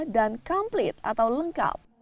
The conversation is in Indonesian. dan complete atau lengkap